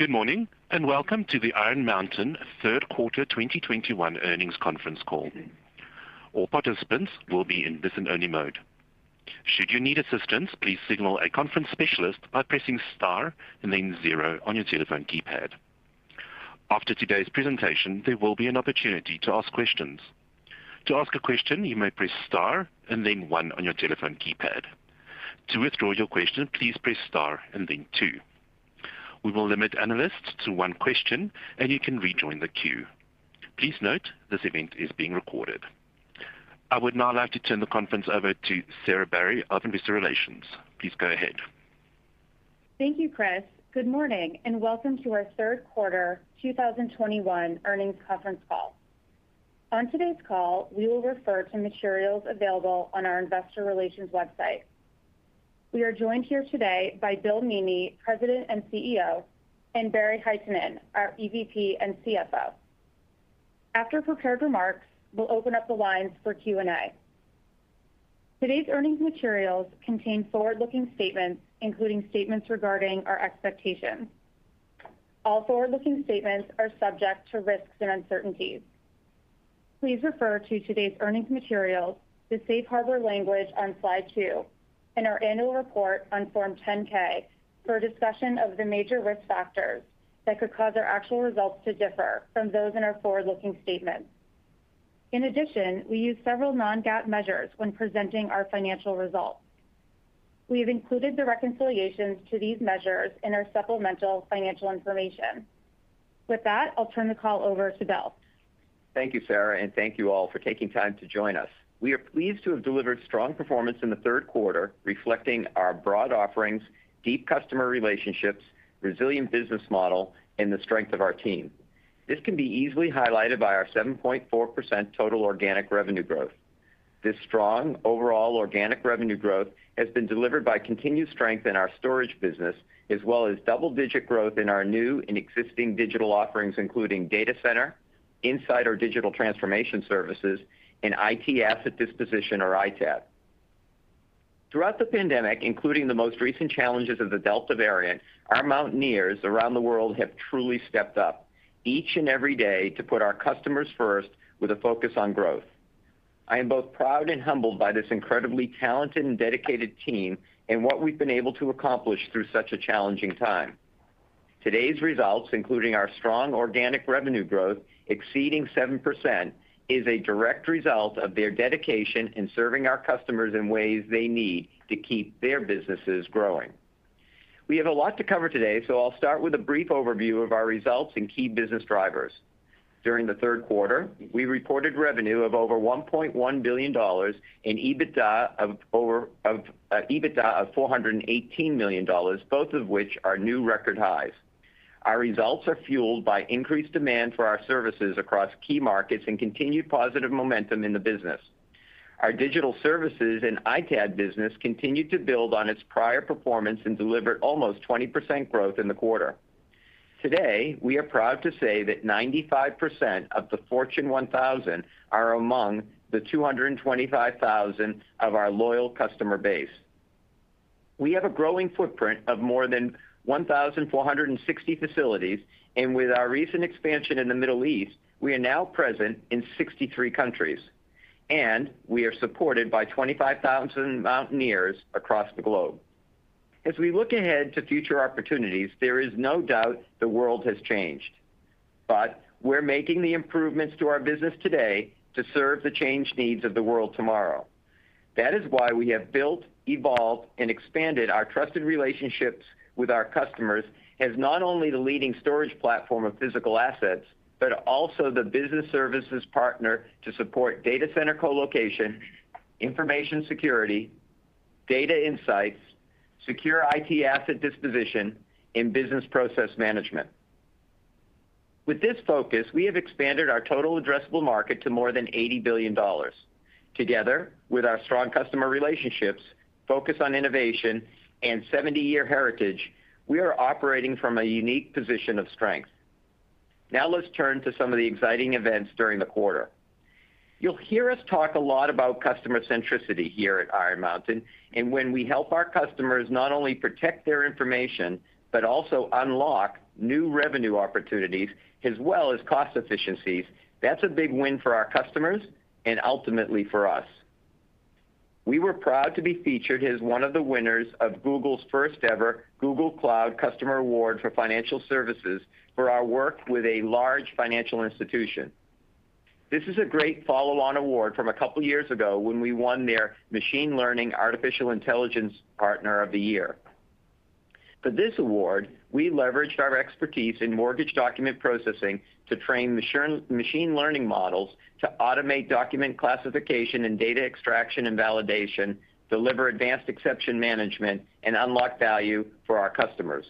Good morning, and welcome to the Iron Mountain third quarter 2021 earnings conference call. All participants will be in listen-only mode. Should you need assistance, please signal a conference specialist by pressing star and then zero on your telephone keypad. After today's presentation, there will be an opportunity to ask questions. To ask a question, you may press star and then one on your telephone keypad. To withdraw your question, please press star and then two. We will limit analysts to one question, and you can rejoin the queue. Please note this event is being recorded. I would now like to turn the conference over to Sarah Barry, Investor Relations. Please go ahead. Thank you, Chris. Good morning, and welcome to our third quarter 2021 earnings conference call. On today's call, we will refer to materials available on our investor relations website. We are joined here today by Bill Meaney, President and CEO, and Barry Hytinen, our EVP and CFO. After prepared remarks, we'll open up the lines for Q&A. Today's earnings materials contain forward-looking statements, including statements regarding our expectations. All forward-looking statements are subject to risks and uncertainties. Please refer to today's earnings materials, the safe harbor language on slide 2, and our annual report on form 10-K for a discussion of the major risk factors that could cause our actual results to differ from those in our forward-looking statements. In addition, we use several non-GAAP measures when presenting our financial results. We have included the reconciliations to these measures in our supplemental financial information. With that, I'll turn the call over to Bill. Thank you, Sarah, and thank you all for taking time to join us. We are pleased to have delivered strong performance in the third quarter, reflecting our broad offerings, deep customer relationships, resilient business model, and the strength of our team. This can be easily highlighted by our 7.4% total organic revenue growth. This strong overall organic revenue growth has been delivered by continued strength in our storage business, as well as double-digit growth in our new and existing digital offerings, including data center, InSight digital transformation services, and IT asset disposition or ITAD. Throughout the pandemic, including the most recent challenges of the Delta variant, our Mountaineers around the world have truly stepped up each and every day to put our customers first with a focus on growth. I am both proud and humbled by this incredibly talented and dedicated team and what we've been able to accomplish through such a challenging time. Today's results, including our strong organic revenue growth exceeding 7%, is a direct result of their dedication in serving our customers in ways they need to keep their businesses growing. We have a lot to cover today, so I'll start with a brief overview of our results and key business drivers. During the third quarter, we reported revenue of over $1.1 billion and EBITDA of $418 million, both of which are new record highs. Our results are fueled by increased demand for our services across key markets and continued positive momentum in the business. Our digital services and ITAD business continued to build on its prior performance and delivered almost 20% growth in the quarter. Today, we are proud to say that 95% of the Fortune 1000 are among the 225,000 of our loyal customer base. We have a growing footprint of more than 1,460 facilities, and with our recent expansion in the Middle East, we are now present in 63 countries, and we are supported by 25,000 Mountaineers across the globe. As we look ahead to future opportunities, there is no doubt the world has changed, but we're making the improvements to our business today to serve the changed needs of the world tomorrow. That is why we have built, evolved, and expanded our trusted relationships with our customers as not only the leading storage platform of physical assets, but also the business services partner to support data center colocation, information security, data insights, secure IT asset disposition, and business process management. With this focus, we have expanded our total addressable market to more than $80 billion. Together with our strong customer relationships, focus on innovation, and 70-year heritage, we are operating from a unique position of strength. Now let's turn to some of the exciting events during the quarter. You'll hear us talk a lot about customer centricity here at Iron Mountain, and when we help our customers not only protect their information, but also unlock new revenue opportunities as well as cost efficiencies, that's a big win for our customers and ultimately for us. We were proud to be featured as one of the winners of Google's first ever Google Cloud Customer Award for Financial Services for our work with a large financial institution. This is a great follow-on award from a couple years ago when we won their Machine Learning Artificial Intelligence Partner of the Year. For this award, we leveraged our expertise in mortgage document processing to train machine learning models to automate document classification and data extraction and validation, deliver advanced exception management, and unlock value for our customers.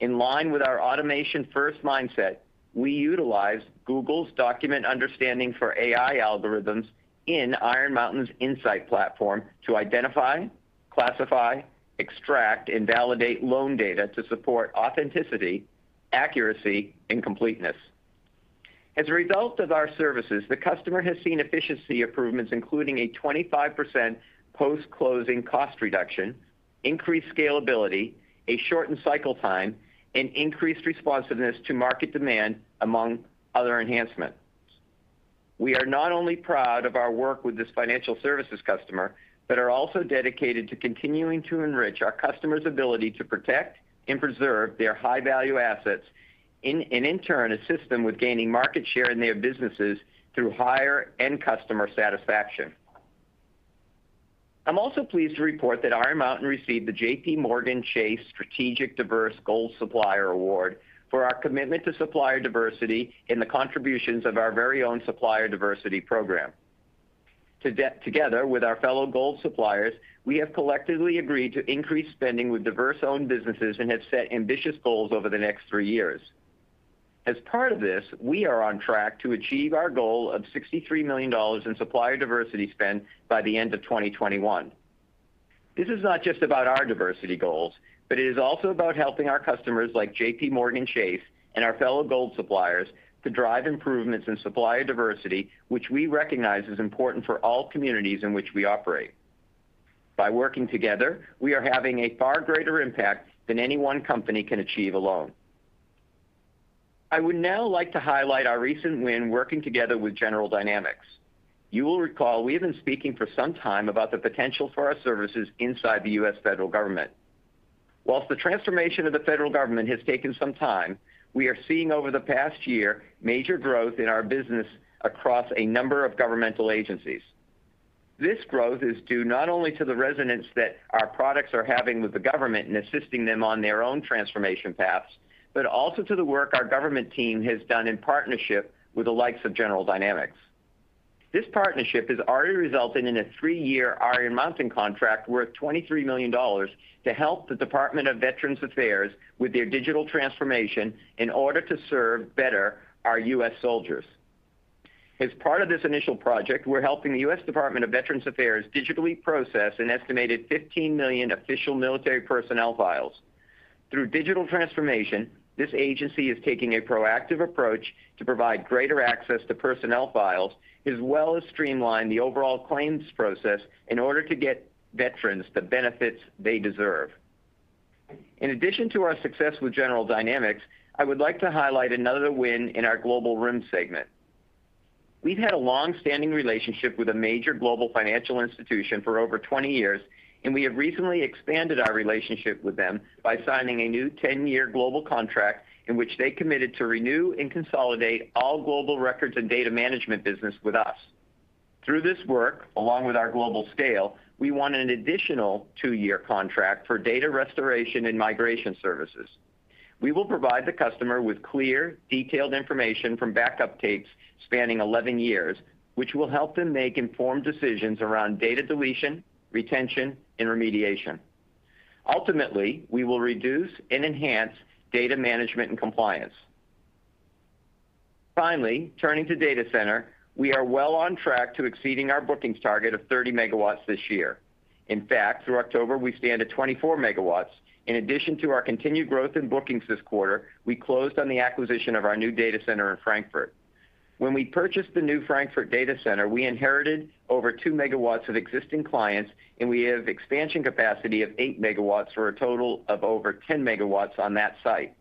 In line with our automation-first mindset, we utilized Google's document understanding for AI algorithms in Iron Mountain's InSight platform to identify, classify, extract, and validate loan data to support authenticity, accuracy, and completeness. As a result of our services, the customer has seen efficiency improvements, including a 25% post-closing cost reduction, increased scalability, a shortened cycle time, and increased responsiveness to market demand, among other enhancements. We are not only proud of our work with this financial services customer, but are also dedicated to continuing to enrich our customers' ability to protect and preserve their high-value assets and, in turn, assist them with gaining market share in their businesses through higher end customer satisfaction. I'm also pleased to report that Iron Mountain received the JPMorgan Chase Strategic Diverse Gold Supplier Award for our commitment to supplier diversity in the contributions of our very own supplier diversity program. Together with our fellow gold suppliers, we have collectively agreed to increase spending with diverse-owned businesses and have set ambitious goals over the next three years. As part of this, we are on track to achieve our goal of $63 million in supplier diversity spend by the end of 2021. This is not just about our diversity goals, but it is also about helping our customers, like JPMorgan Chase and our fellow gold suppliers to drive improvements in supplier diversity, which we recognize is important for all communities in which we operate. By working together, we are having a far greater impact than any one company can achieve alone. I would now like to highlight our recent win working together with General Dynamics. You will recall we have been speaking for some time about the potential for our services inside the US federal government. While the transformation of the federal government has taken some time, we are seeing over the past year major growth in our business across a number of governmental agencies. This growth is due not only to the resonance that our products are having with the government in assisting them on their own transformation paths, but also to the work our government team has done in partnership with the likes of General Dynamics. This partnership has already resulted in a 3-year Iron Mountain contract worth $23 million to help the Department of Veterans Affairs with their digital transformation in order to serve better our US soldiers. As part of this initial project, we're helping the US Department of Veterans Affairs digitally process an estimated 15 million official military personnel files. Through digital transformation, this agency is taking a proactive approach to provide greater access to personnel files, as well as streamline the overall claims process in order to get veterans the benefits they deserve. In addition to our success with General Dynamics, I would like to highlight another win in our Global RIM segment. We've had a long-standing relationship with a major global financial institution for over 20 years, and we have recently expanded our relationship with them by signing a new 10-year global contract in which they committed to renew and consolidate all global records and data management business with us. Through this work, along with our global scale, we won an additional 2-year contract for data restoration and migration services. We will provide the customer with clear, detailed information from backup tapes spanning 11 years, which will help them make informed decisions around data deletion, retention, and remediation. Ultimately, we will reduce and enhance data management and compliance. Finally, turning to data center, we are well on track to exceeding our bookings target of 30 MW this year. In fact, through October, we stand at 24 MW. In addition to our continued growth in bookings this quarter, we closed on the acquisition of our new data center in Frankfurt. When we purchased the new Frankfurt data center, we inherited over 2 MW of existing clients, and we have expansion capacity of 8 MW for a total of over 10 MW on that site.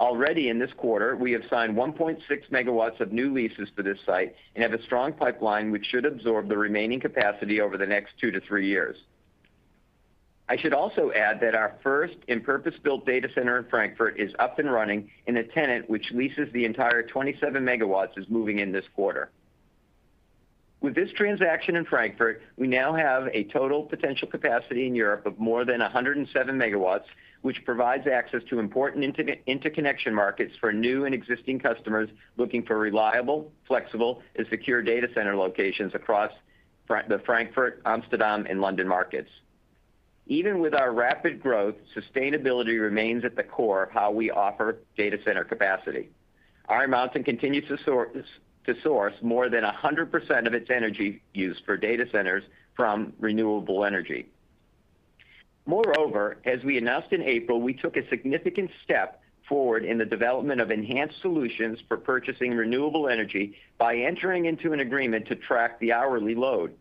Already in this quarter, we have signed 1.6 MW of new leases to this site and have a strong pipeline which should absorb the remaining capacity over the next 2 to 3 years. I should also add that our first and purpose-built data center in Frankfurt is up and running, and a tenant which leases the entire 27 MW is moving in this quarter. With this transaction in Frankfurt, we now have a total potential capacity in Europe of more than 107 MW, which provides access to important interconnection markets for new and existing customers looking for reliable, flexible, and secure data center locations across the Frankfurt, Amsterdam, and London markets. Even with our rapid growth, sustainability remains at the core of how we offer data center capacity. Iron Mountain continues to source more than 100% of its energy used for data centers from renewable energy. Moreover, as we announced in April, we took a significant step forward in the development of enhanced solutions for purchasing renewable energy by entering into an agreement to track the hourly load.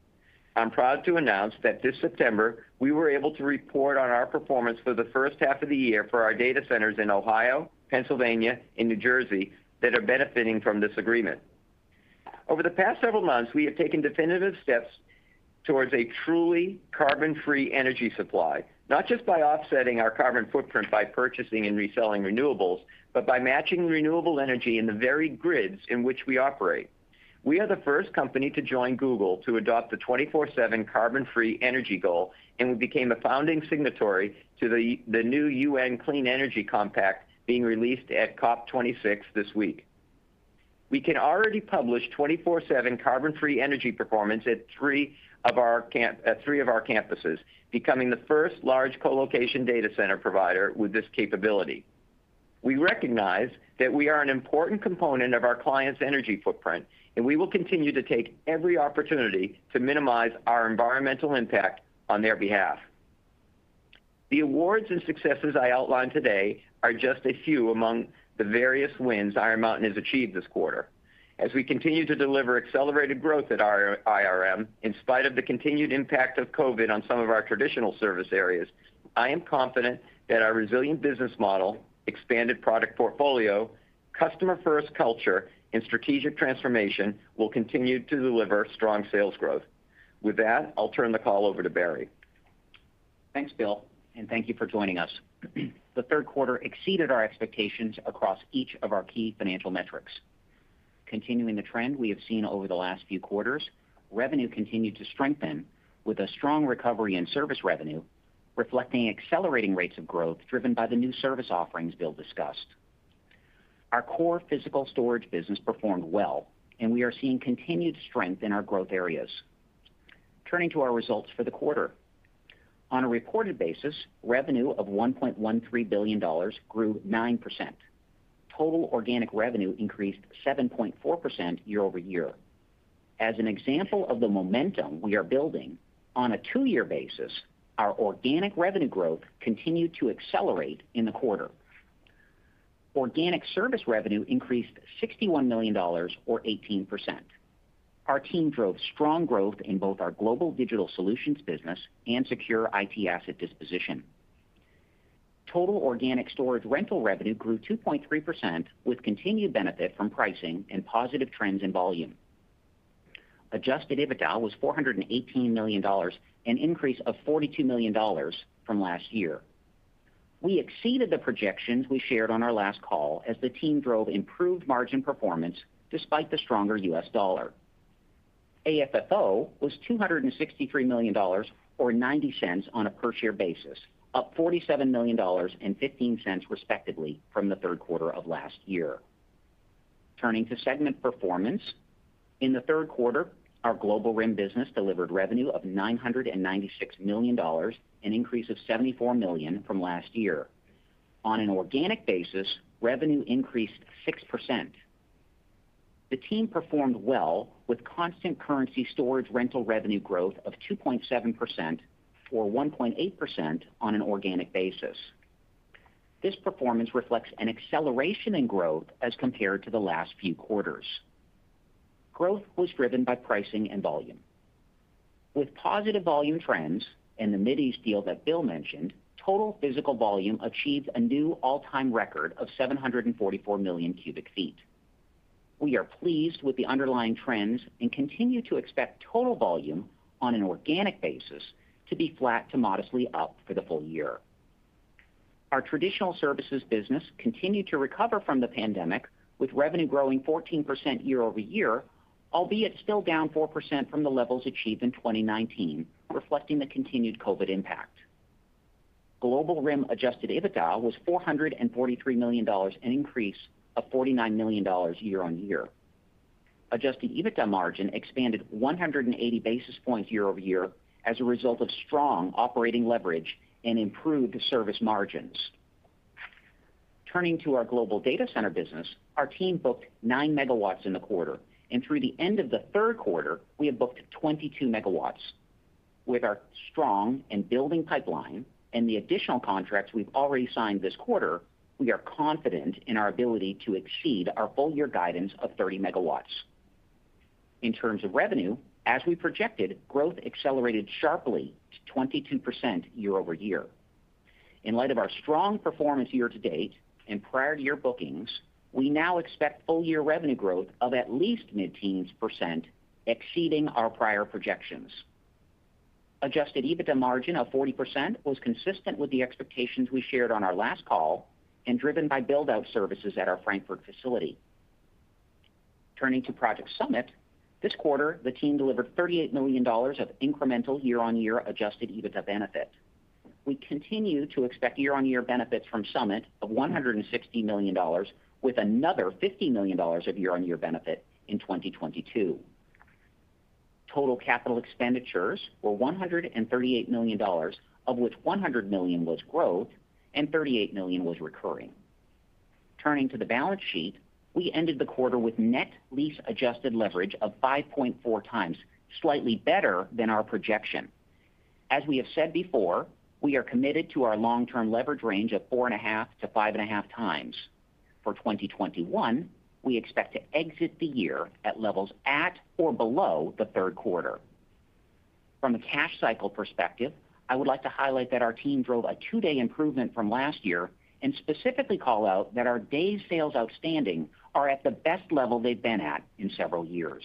I'm proud to announce that this September, we were able to report on our performance for the first half of the year for our data centers in Ohio, Pennsylvania, and New Jersey that are benefiting from this agreement. Over the past several months, we have taken definitive steps towards a truly carbon-free energy supply, not just by offsetting our carbon footprint by purchasing and reselling renewables, but by matching renewable energy in the very grids in which we operate. We are the first company to join Google to adopt the 24/7 carbon-free energy goal, and we became a founding signatory to the new UN Carbon-Free Energy Compact being released at COP26 this week. We can already publish 24/7 carbon-free energy performance at 3 of our campuses, becoming the first large colocation data center provider with this capability. We recognize that we are an important component of our clients' energy footprint, and we will continue to take every opportunity to minimize our environmental impact on their behalf. The awards and successes I outlined today are just a few among the various wins Iron Mountain has achieved this quarter. As we continue to deliver accelerated growth at IRM, in spite of the continued impact of COVID on some of our traditional service areas, I am confident that our resilient business model, expanded product portfolio, customer-first culture, and strategic transformation will continue to deliver strong sales growth. With that, I'll turn the call over to Barry. Thanks, Bill, and thank you for joining us. The third quarter exceeded our expectations across each of our key financial metrics. Continuing the trend we have seen over the last few quarters, revenue continued to strengthen with a strong recovery in service revenue, reflecting accelerating rates of growth driven by the new service offerings Bill discussed. Our core physical storage business performed well, and we are seeing continued strength in our growth areas. Turning to our results for the quarter. On a reported basis, revenue of $1.13 billion grew 9%. Total organic revenue increased 7.4% year-over-year. As an example of the momentum we are building, on a two-year basis, our organic revenue growth continued to accelerate in the quarter. Organic service revenue increased $61 million or 18%. Our team drove strong growth in both our global digital solutions business and secure IT asset disposition. Total organic storage rental revenue grew 2.3% with continued benefit from pricing and positive trends in volume. Adjusted EBITDA was $418 million, an increase of $42 million from last year. We exceeded the projections we shared on our last call as the team drove improved margin performance despite the stronger US dollar. AFFO was $263 million or $0.90 per share, up $47 million and $0.15 million respectively from the third quarter of last year. Turning to segment performance. In the third quarter, our Global RIM business delivered revenue of $996 million, an increase of $74 million from last year. On an organic basis, revenue increased 6%. The team performed well with constant currency storage rental revenue growth of 2.7% or 1.8% on an organic basis. This performance reflects an acceleration in growth as compared to the last few quarters. Growth was driven by pricing and volume. With positive volume trends and the Middle East deal that Bill mentioned, total physical volume achieved a new all-time record of 744 million cubic feet. We are pleased with the underlying trends and continue to expect total volume on an organic basis to be flat to modestly up for the full year. Our traditional services business continued to recover from the pandemic, with revenue growing 14% year-over-year, albeit still down 4% from the levels achieved in 2019, reflecting the continued COVID impact. Global RIM adjusted EBITDA was $443 million, an increase of $49 million year-over-year. Adjusted EBITDA margin expanded 180 basis points year-over-year as a result of strong operating leverage and improved service margins. Turning to our global data center business, our team booked 9 MW in the quarter, and through the end of the third quarter, we have booked 22 MW. With our strong and building pipeline and the additional contracts we've already signed this quarter, we are confident in our ability to exceed our full-year guidance of 30 MW. In terms of revenue, as we projected, growth accelerated sharply to 22% year-over-year. In light of our strong performance year to date and prior year bookings, we now expect full-year revenue growth of at least mid-teens%, exceeding our prior projections. Adjusted EBITDA margin of 40% was consistent with the expectations we shared on our last call and driven by build-out services at our Frankfurt facility. Turning to Project Summit, this quarter, the team delivered $38 million of incremental year-on-year adjusted EBITDA benefit. We continue to expect year-on-year benefits from Summit of $160 million, with another $50 million of year-on-year benefit in 2022. Total capital expenditures were $138 million, of which $100 million was growth and $38 million was recurring. Turning to the balance sheet, we ended the quarter with net lease adjusted leverage of 5.4x, slightly better than our projection. As we have said before, we are committed to our long-term leverage range of 4.5x-5.5x. For 2021, we expect to exit the year at levels at or below the third quarter. From a cash cycle perspective, I would like to highlight that our team drove a 2-day improvement from last year and specifically call out that our day sales outstanding are at the best level they've been at in several years.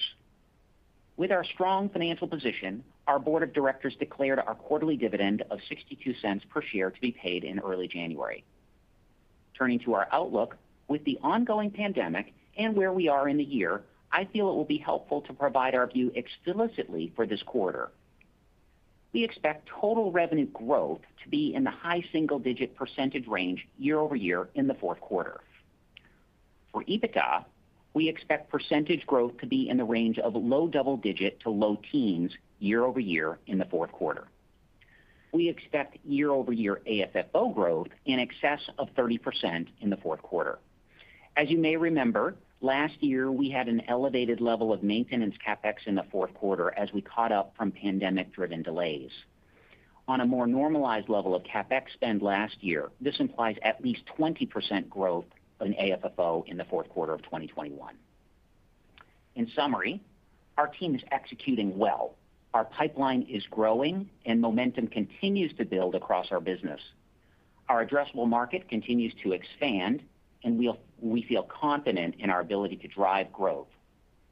With our strong financial position, our board of directors declared our quarterly dividend of $0.62 per share to be paid in early January. Turning to our outlook, with the ongoing pandemic and where we are in the year, I feel it will be helpful to provide our view explicitly for this quarter. We expect total revenue growth to be in the high single-digit % range year-over-year in the fourth quarter. For EBITDA, we expect percentage growth to be in the range of low double-digit to low teens year-over-year in the fourth quarter. We expect year-over-year AFFO growth in excess of 30% in the fourth quarter. As you may remember, last year we had an elevated level of maintenance CapEx in the fourth quarter as we caught up from pandemic-driven delays. On a more normalized level of CapEx spend last year, this implies at least 20% growth in AFFO in the fourth quarter of 2021. In summary, our team is executing well. Our pipeline is growing, and momentum continues to build across our business. Our addressable market continues to expand, and we feel confident in our ability to drive growth.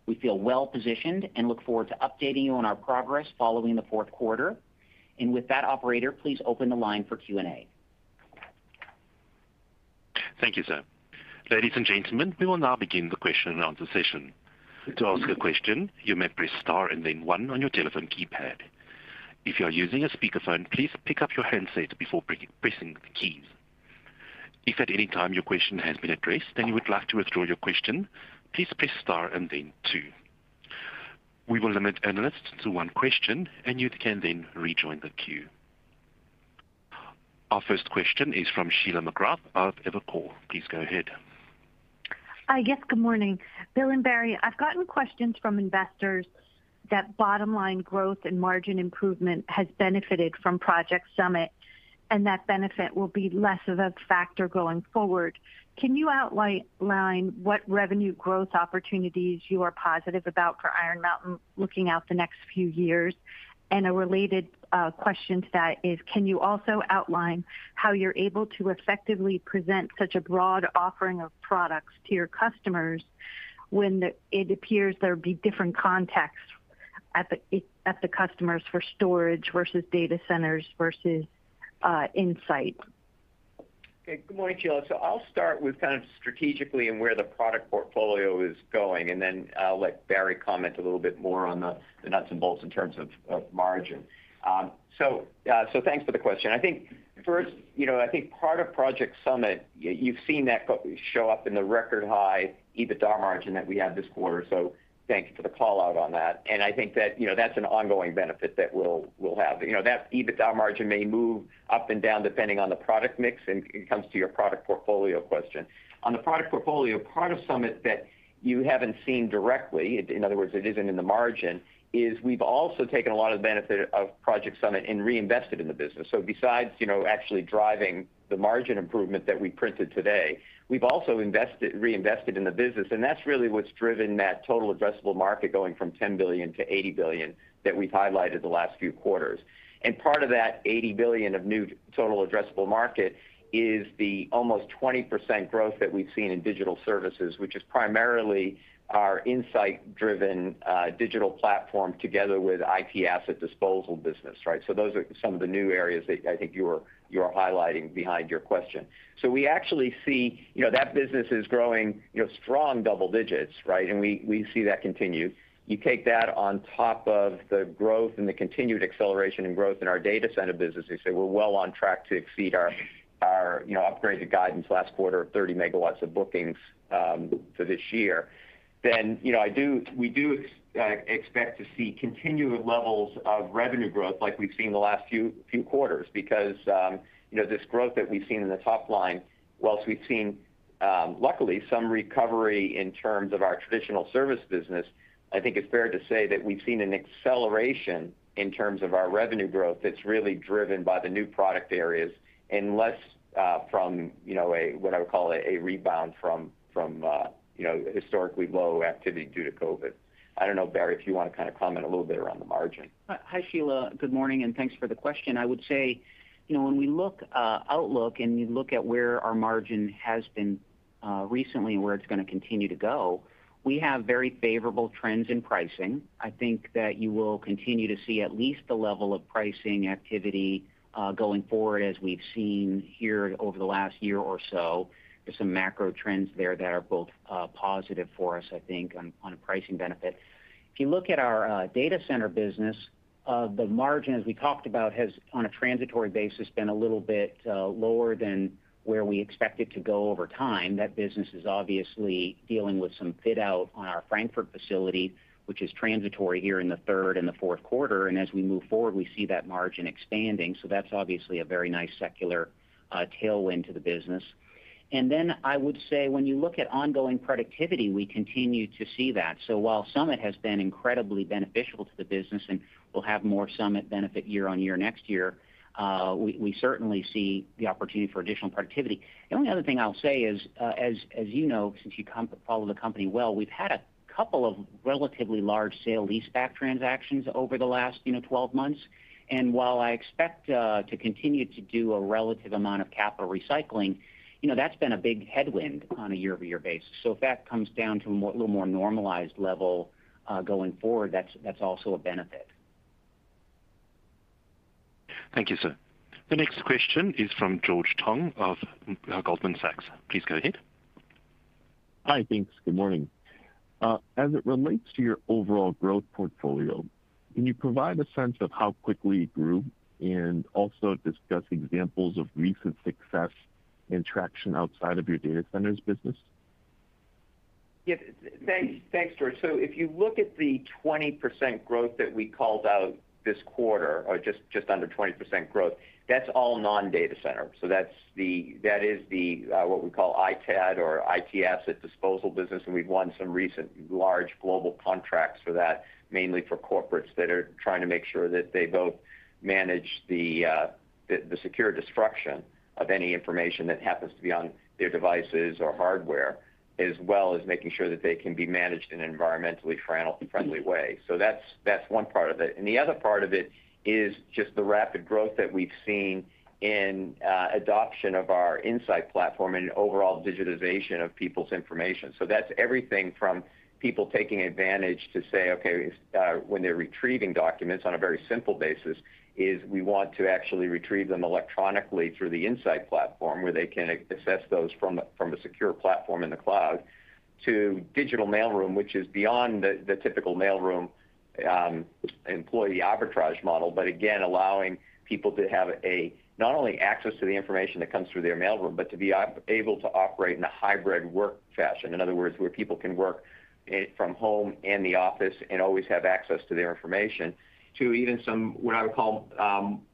We feel well-positioned and look forward to updating you on our progress following the fourth quarter. With that, operator, please open the line for Q&A. Thank you, sir. Ladies and gentlemen, we will now begin the question and answer session. To ask a question, you may press star and then one on your telephone keypad. If you are using a speakerphone, please pick up your handset before pressing the keys. If at any time your question has been addressed and you would like to withdraw your question, please press star and then two. We will limit analysts to one question, and you can then rejoin the queue. Our first question is from Sheila McGrath of Evercore. Please go ahead. Hi. Yes, good morning. Bill and Barry, I've gotten questions from investors that bottom-line growth and margin improvement has benefited from Project Summit, and that benefit will be less of a factor going forward. Can you outline what revenue growth opportunities you are positive about for Iron Mountain looking out the next few years? A related question to that is, can you also outline how you're able to effectively present such a broad offering of products to your customers when it appears there'd be different contexts at the customers for storage versus data centers versus InSight? Okay. Good morning, Sheila. I'll start with kind of strategically and where the product portfolio is going, and then I'll let Barry comment a little bit more on the nuts and bolts in terms of margin. Thanks for the question. I think first, you know, I think part of Project Summit, you've seen that show up in the record high EBITDA margin that we had this quarter. Thanks for the call-out on that. I think that, you know, that's an ongoing benefit that we'll have. You know, that EBITDA margin may move up and down depending on the product mix, and it comes to your product portfolio question. On the product portfolio, part of Summit that you haven't seen directly, in other words, it isn't in the margin, is we've also taken a lot of the benefit of Project Summit and reinvested in the business. Besides, you know, actually driving the margin improvement that we printed today, we've also reinvested in the business, and that's really what's driven that total addressable market going from $10 billion to $80 billion that we've highlighted the last few quarters. Part of that $80 billion of new total addressable market is the almost 20% growth that we've seen in digital services, which is primarily our InSight-driven digital platform together with IT Asset Disposition business, right? Those are some of the new areas that I think you're highlighting behind your question. We actually see, you know, that business is growing, you know, strong double digits, right? We see that continue. You take that on top of the growth and the continued acceleration and growth in our data center business, as I say, we're well on track to exceed our, you know, upgraded guidance last quarter of 30 MW of bookings for this year. You know, we do expect to see continued levels of revenue growth like we've seen the last few quarters because, you know, this growth that we've seen in the top line, while we've seen, luckily some recovery in terms of our traditional service business, I think it's fair to say that we've seen an acceleration in terms of our revenue growth that's really driven by the new product areas and less from, you know, a what I would call a rebound from, you know, historically low activity due to COVID. I don't know, Barry, if you want to kind of comment a little bit around the margin. Hi, Sheila. Good morning, and thanks for the question. I would say, you know, when we look at our outlook and you look at where our margin has been recently, where it's gonna continue to go, we have very favorable trends in pricing. I think that you will continue to see at least the level of pricing activity going forward as we've seen here over the last year or so. There's some macro trends there that are both positive for us, I think, on a pricing benefit. If you look at our data center business, the margin, as we talked about, has, on a transitory basis, been a little bit lower than where we expect it to go over time. That business is obviously dealing with some fit out on our Frankfurt facility, which is transitory here in the third and fourth quarter. As we move forward, we see that margin expanding. That's obviously a very nice secular tailwind to the business. Then I would say when you look at ongoing productivity, we continue to see that. While Summit has been incredibly beneficial to the business, and we'll have more Summit benefit year-over-year next year, we certainly see the opportunity for additional productivity. The only other thing I'll say is, as you know, since you follow the company well, we've had a couple of relatively large sale lease back transactions over the last, you know, 12 months. While I expect to continue to do a relative amount of capital recycling, you know, that's been a big headwind on a year-over-year basis. If that comes down to a little more normalized level, going forward, that's also a benefit. Thank you, sir. The next question is from George Tong of Goldman Sachs. Please go ahead. Hi. Thanks. Good morning. As it relates to your overall growth portfolio, can you provide a sense of how quickly it grew and also discuss examples of recent success and traction outside of your data centers business? Yeah. Thanks. Thanks, George. If you look at the 20% growth that we called out this quarter, or just under 20% growth, that's all non-data center. That's the ITAD or IT asset disposition business, and we've won some recent large global contracts for that, mainly for corporates that are trying to make sure that they both manage the secure destruction of any information that happens to be on their devices or hardware, as well as making sure that they can be managed in an environmentally friendly way. That's one part of it. The other part of it is just the rapid growth that we've seen in adoption of our InSight platform and overall digitization of people's information. That's everything from people taking advantage to say, okay, when they're retrieving documents on a very simple basis, is we want to actually retrieve them electronically through the InSight platform where they can access those from a secure platform in the cloud, to digital mailroom, which is beyond the typical mailroom employee arbitrage model. Again, allowing people to have not only access to the information that comes through their mailroom, but to be able to operate in a hybrid work fashion. In other words, where people can work from home and the office and always have access to their information, to even some what I would call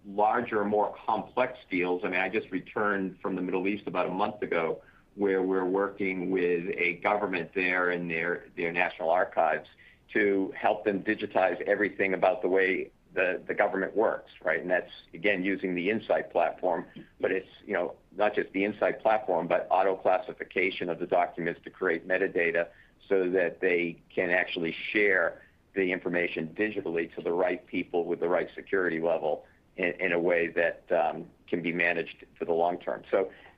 larger, more complex deals. I mean, I just returned from the Middle East about a month ago, where we're working with a government there and their national archives to help them digitize everything about the way the government works, right? That's again using the InSight platform, but it's, you know, not just the InSight platform, but auto-classification of the documents to create metadata so that they can actually share the information digitally to the right people with the right security level in a way that can be managed for the long term.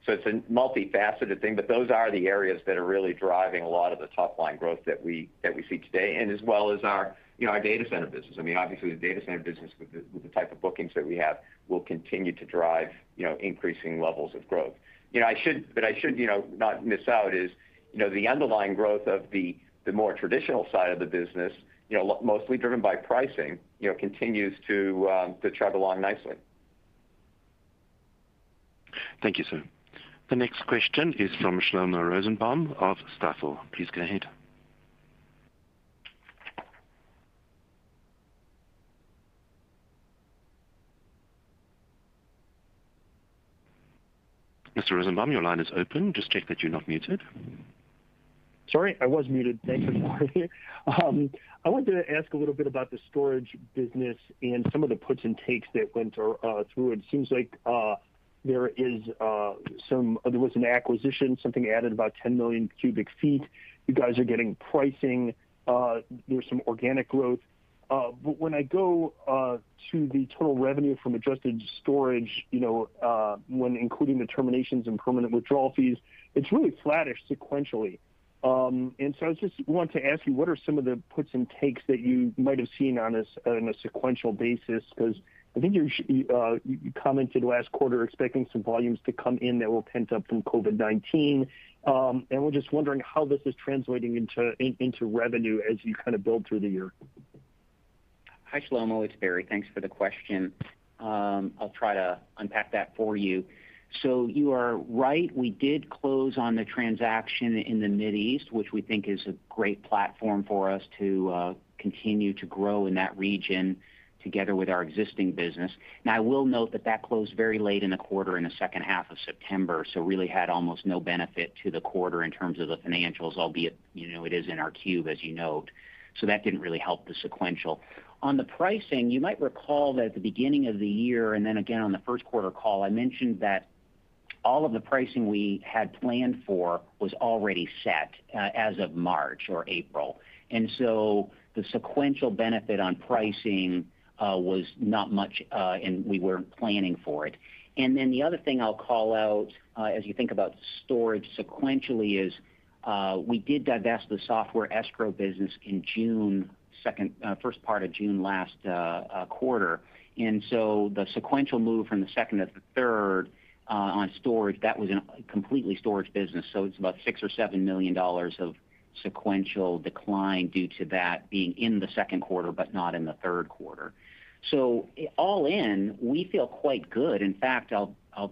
It's a multifaceted thing, but those are the areas that are really driving a lot of the top line growth that we see today, as well as our, you know, our data center business. I mean, obviously, the data center business with the type of bookings that we have will continue to drive, you know, increasing levels of growth. I should, you know, not miss out, you know, the underlying growth of the more traditional side of the business, you know, mostly driven by pricing, you know, continues to travel along nicely. Thank you, sir. The next question is from Shlomo Rosenbaum of Stifel. Please go ahead. Mr. Rosenbaum, your line is open. Just check that you're not muted. Sorry, I was muted. Thanks for that. I wanted to ask a little bit about the storage business and some of the puts and takes that went through. It seems like there was an acquisition, something added about 10 million cubic feet. You guys are getting pricing. There's some organic growth. But when I go to the total revenue from adjusted storage, you know, when including the terminations and permanent withdrawal fees, it's really flattish sequentially. I just want to ask you, what are some of the puts and takes that you might have seen on a sequential basis? Because I think you commented last quarter expecting some volumes to come in that were pent up from COVID-19. We're just wondering how this is translating into revenue as you kind of build through the year? Hi, Shlomo. It's Barry. Thanks for the question. I'll try to unpack that for you. You are right, we did close on the transaction in the Middle East, which we think is a great platform for us to continue to grow in that region together with our existing business. I will note that that closed very late in the quarter in the second half of September, so really had almost no benefit to the quarter in terms of the financials, albeit, you know, it is in our Q3, as you note. That didn't really help the sequential. On the pricing, you might recall that at the beginning of the year, and then again on the first quarter call, I mentioned that all of the pricing we had planned for was already set as of March or April. The sequential benefit on pricing was not much, and we weren't planning for it. The other thing I'll call out as you think about storage sequentially is we did divest the software escrow business in the first part of June last quarter. The sequential move from the second to the third on storage is about $6 million-$7 million of sequential decline due to that being in the second quarter, but not in the third quarter. All in, we feel quite good. In fact, I'll tell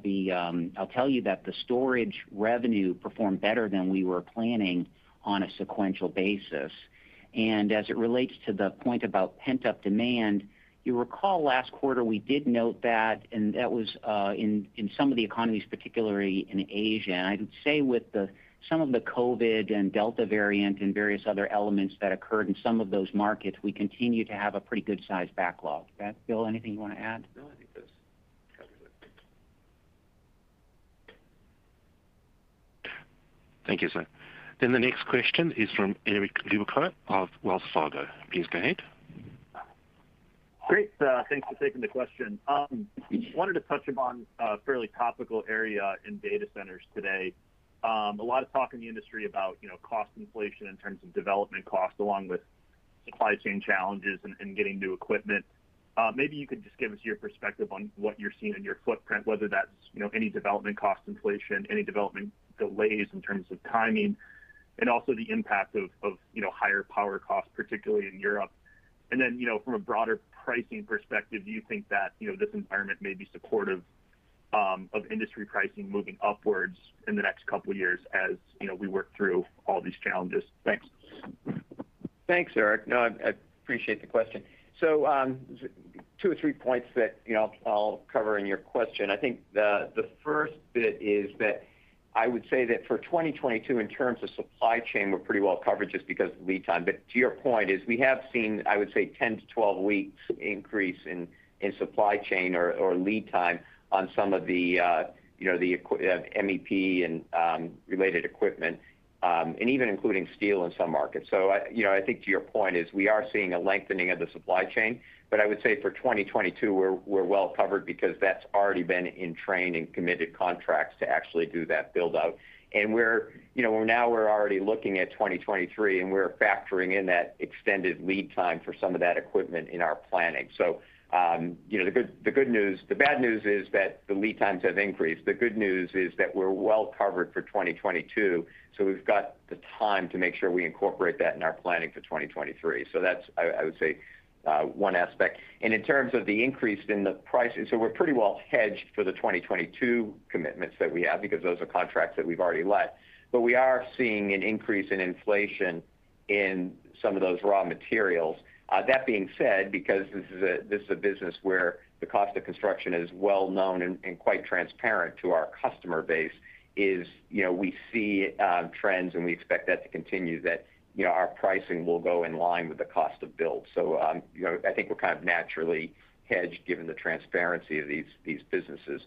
you that the storage revenue performed better than we were planning on a sequential basis. As it relates to the point about pent-up demand, you recall last quarter we did note that, and that was in some of the economies, particularly in Asia. I'd say with some of the COVID and Delta variant and various other elements that occurred in some of those markets, we continue to have a pretty good sized backlog. Is that, Bill, anything you wanna add? No, I think that's accurate. Thank you, sir. The next question is from Eric Luebchow of Wells Fargo. Please go ahead. Great. Thanks for taking the question. Wanted to touch upon a fairly topical area in data centers today. A lot of talk in the industry about, you know, cost inflation in terms of development costs, along with supply chain challenges and getting new equipment. Maybe you could just give us your perspective on what you're seeing in your footprint, whether that's, you know, any development cost inflation, any development delays in terms of timing, and also the impact of, you know, higher power costs, particularly in Europe. Then, you know, from a broader pricing perspective, do you think that, you know, this environment may be supportive of industry pricing moving upwards in the next couple years as, you know, we work through all these challenges. Thanks. Thanks, Eric. I appreciate the question. Two or three points that, you know, I'll cover in your question. I think the first bit is that I would say that for 2022, in terms of supply chain, we're pretty well covered just because of lead time. To your point, we have seen, I would say 10-12 weeks increase in supply chain or lead time on some of the, you know, the MEP and related equipment, and even including steel in some markets. I think to your point we are seeing a lengthening of the supply chain, but I would say for 2022, we're well covered because that's already been in train and committed contracts to actually do that build-out. We're, you know, now we're already looking at 2023, and we're factoring in that extended lead time for some of that equipment in our planning. You know, the good news, the bad news is that the lead times have increased. The good news is that we're well covered for 2022, so we've got the time to make sure we incorporate that in our planning for 2023. That's, I would say, one aspect. In terms of the increase in the prices, we're pretty well hedged for the 2022 commitments that we have because those are contracts that we've already let. We are seeing an increase in inflation in some of those raw materials. That being said, because this is a business where the cost of construction is well known and quite transparent to our customer base, you know, we see trends, and we expect that to continue, that you know, our pricing will go in line with the cost of build. So, you know, I think we're kind of naturally hedged given the transparency of these businesses.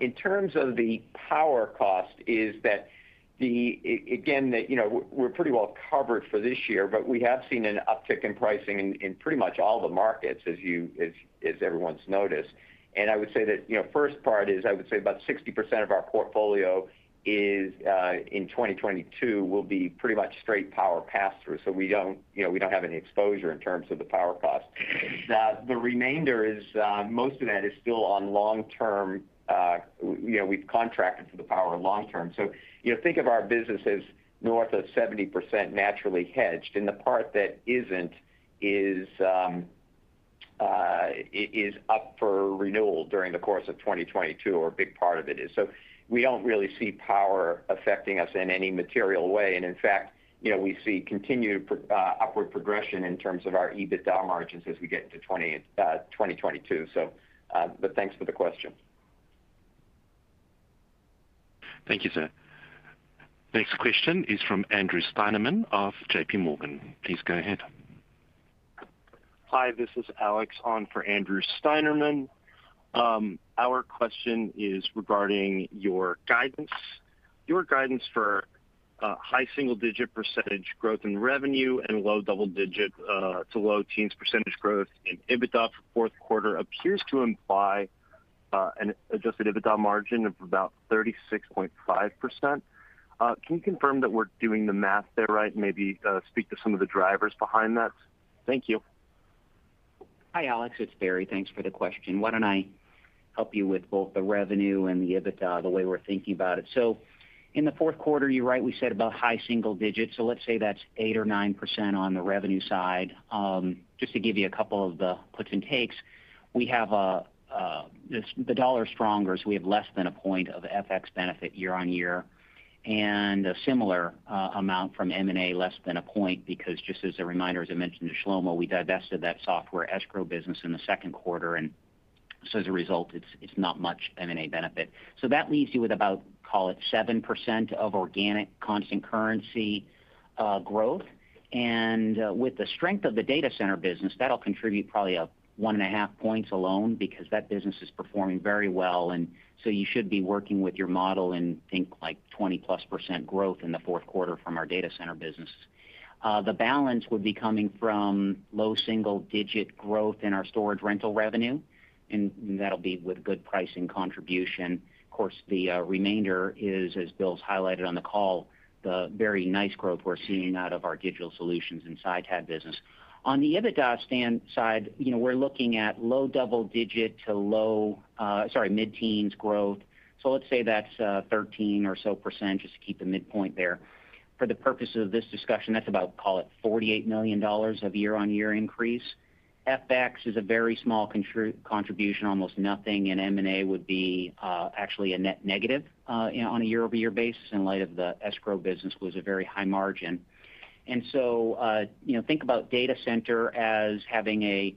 In terms of the power cost, you know, we're pretty well covered for this year, but we have seen an uptick in pricing in pretty much all the markets as everyone's noticed. I would say that, you know, first part is I would say about 60% of our portfolio is in 2022 will be pretty much straight power pass-through. We don't, you know, we don't have any exposure in terms of the power cost. The remainder is, most of that is still on long-term, you know, we've contracted for the power long term. You know, think of our business as north of 70% naturally hedged, and the part that isn't is up for renewal during the course of 2022, or a big part of it is. We don't really see power affecting us in any material way. In fact, you know, we see continued upward progression in terms of our EBITDA margins as we get into 2022. Thanks for the question. Thank you, sir. Next question is from Andrew Steinerman of JPMorgan. Please go ahead. Hi, this is Alex on for Andrew Steinerman. Our question is regarding your guidance. Your guidance for high single-digit % growth in revenue and low double-digit to low teens % growth in EBITDA for fourth quarter appears to imply an adjusted EBITDA margin of about 36.5%. Can you confirm that we're doing the math there right, and maybe speak to some of the drivers behind that? Thank you. Hi, Alex. It's Barry. Thanks for the question. Why don't I help you with both the revenue and the EBITDA, the way we're thinking about it. In the fourth quarter, you're right, we said about high single digits. Let's say that's 8 or 9% on the revenue side. Just to give you a couple of the puts and takes, we have the dollar is stronger, so we have less than a point of FX benefit year-over-year, and a similar amount from M&A, less than a point, because just as a reminder, as I mentioned to Shlomo, we divested that software escrow business in the second quarter. As a result, it's not much M&A benefit. That leaves you with about, call it 7% of organic constant currency growth. With the strength of the data center business, that'll contribute probably 1.5 points alone because that business is performing very well. You should be working with your model and think like 20+% growth in the fourth quarter from our data center business. The balance would be coming from low single-digit growth in our storage rental revenue, and that'll be with good pricing contribution. Of course, the remainder is, as Bill's highlighted on the call, the very nice growth we're seeing out of our digital solutions and ITAD business. On the EBITDA side, you know, we're looking at low double-digit to low mid-teens growth. So let's say that's 13% or so, just to keep the midpoint there. For the purpose of this discussion, that's about, call it $48 million of year-on-year increase. FX is a very small contribution, almost nothing, and M&A would be, actually a net negative, on a year-over-year basis in light of the escrow business was a very high margin. You know, think about data center as having a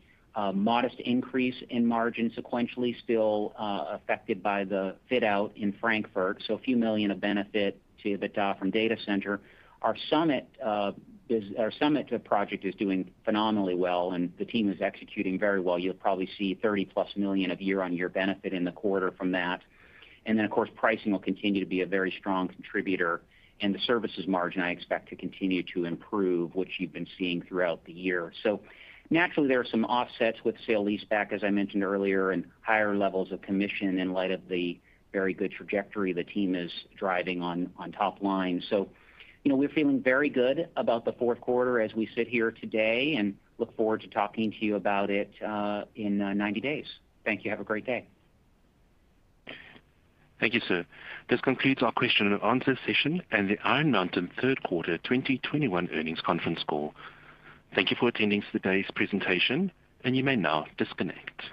modest increase in margin sequentially still affected by the fit out in Frankfurt. A few million of benefit to EBITDA from data center. Our Summit project is doing phenomenally well, and the team is executing very well. You'll probably see $+30 million of year-over-year benefit in the quarter from that. Of course, pricing will continue to be a very strong contributor. The services margin, I expect to continue to improve, which you've been seeing throughout the year. Naturally, there are some offsets with sale lease back, as I mentioned earlier, and higher levels of commission in light of the very good trajectory the team is driving on top line. You know, we're feeling very good about the fourth quarter as we sit here today, and look forward to talking to you about it in 90 days. Thank you. Have a great day. Thank you, sir. This concludes our question and answer session and the Iron Mountain third quarter 2021 earnings conference call. Thank you for attending today's presentation, and you may now disconnect.